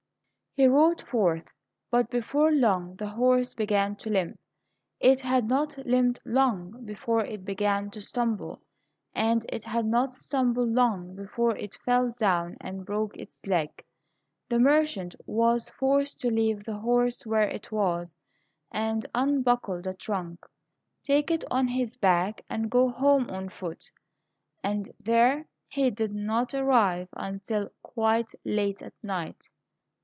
He rode forth, but before long the horse began to limp. It had not limped long before it began to stumble, and it had not stumbled long before it fell down and broke its leg. The merchant was forced to leave the horse where it was, and unbuckle the trunk, take it on his back, and go home on foot. And there he did not arrive until quite late at night.